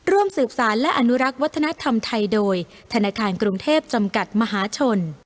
ร่วมสืบสารและอนุรักษ์วัฒนธรรมไทยโดยธนาคารกรุงเทพจำกัดมหาชน